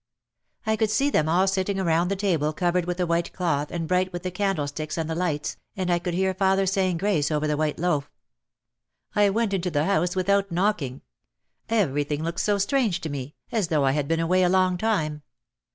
I could see them all sitting around the table covered with a white cloth and bright with the candlesticks and the lights, and I could hear father saying grace over the white loaf. I went into the house without knocking. Everything looked so strange to me, as though I had been away a long time.